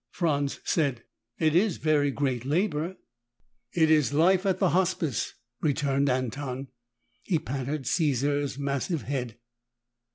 Franz said, "It is very great labor." "It is life at the Hospice," returned Anton. He patted Caesar's massive head.